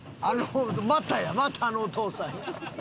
またやまたあのお父さんやん。